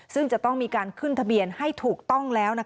ซึ่งจะต้องมีการขึ้นทะเบียนให้ถูกต้องแล้ว